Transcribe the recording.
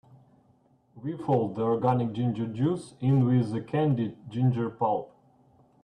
We fold the organic ginger juice in with the candied ginger pulp.